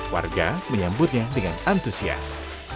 warga menyambutnya dengan antusias